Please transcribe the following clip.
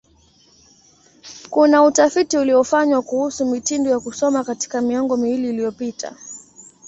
Kuna utafiti uliofanywa kuhusu mitindo ya kusoma katika miongo miwili iliyopita.